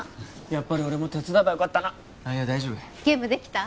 やっぱり俺も手伝えばよかったないや大丈夫ゲームできた？